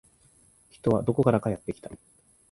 人はどこからかやってきた